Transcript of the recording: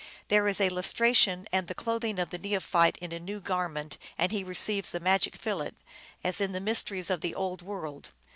There is a lustration and the clothing the neophyte in a new garment, and he receives the magic fillet, as in the Mysteries of the old world.